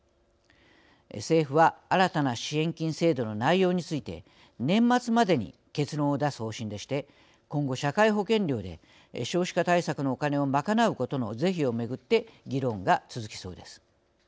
政府は新たな支援金制度の内容について年末までに結論を出す方針でして今後社会保険料で少子化対策のお金を賄うことの是非を巡って議論が続きそうです。